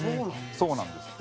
そうなんですって。